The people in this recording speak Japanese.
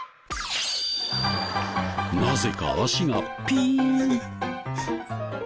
なぜか脚がピーン。